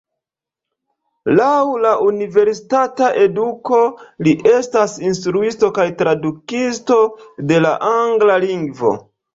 Laŭ la universitata eduko li estas instruisto kaj tradukisto de la angla lingvo.